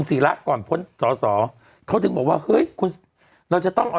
อีกอันหนึ่ง